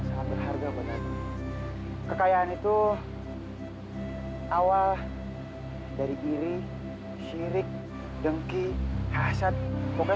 sampai jumpa di video selanjutnya